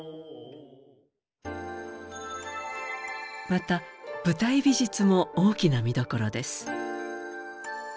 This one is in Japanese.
また舞台美術も大きな見どころです。